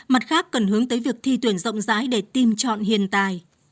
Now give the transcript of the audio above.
mặt khác cần hướng tới việc thi tuyển rộng rãi để tìm chọn hiền tài